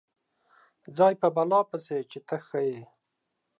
ځای په بلا پسې چې ته ښه یې.